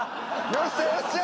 よっしゃよっしゃ！